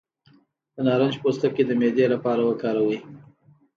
د نارنج پوستکی د معدې لپاره وکاروئ